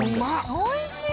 おいしい！